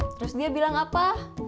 terus dia bilang apa